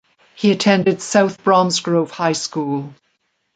He attended South Bromsgrove High School.